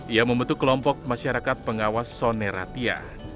ia membentuk kelompok masyarakat pengawas soneratia